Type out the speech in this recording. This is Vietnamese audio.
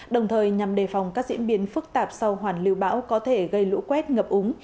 đồng thời nhằm đề phòng các diễn biến phức tạp sau hoàn lưu bão có thể gây lũ quét ngập úng